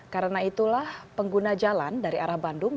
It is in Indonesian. karena itulah pengguna jalan dari arah bandung